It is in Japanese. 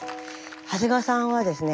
長谷川さんはですね